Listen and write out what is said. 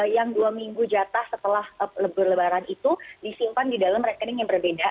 yang dua minggu jatah setelah bulan lebaran itu disimpan di dalam rekening yang berbeda